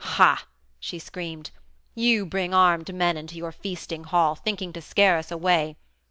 "Hah," she screamed, "you bring armed men into your feasting hall, thinking to scare us away.